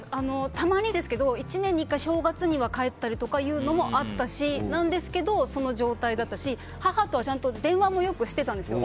たまにですけど１年に１回正月には帰ったりっていうのはあったしなんですけど、その状態だったし母とは電話もしてたんですよ。